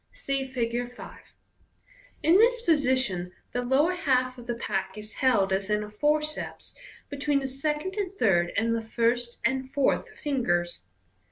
(See Fig. 5.) In this position the lower half of the pack is held as in a forceps between the second and third and the first and fourth fingers.